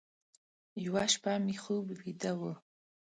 یوه شپه مې خوب ویده و،